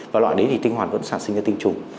và loại đấy thì tinh hoàn vẫn sản sinh ra tinh trùng